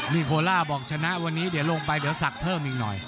นี่โคล่าบอกวันนี้ชนะเดี๋ยวลงไปก็จะสักเพิ่มอีกหน่อย